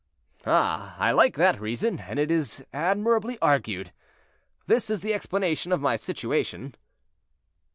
"Ah! I like that reason, and it is admirably argued. This is the explanation of my situation?"